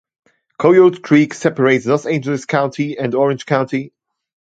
Coyote Creek separates Los Angeles County and Orange County.